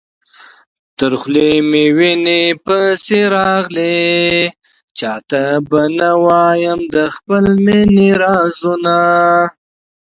تر خولې مي وېني پسي راغلې، چاته به نه وايم د خپل مېني رازونه